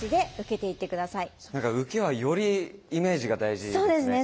受けはよりイメージが大事なんですね。